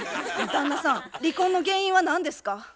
旦那さん離婚の原因は何ですか？